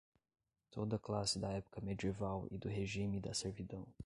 toda classe da época medieval e do regime da servidão